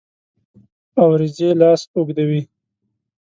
اوریځې لاس اوږدوي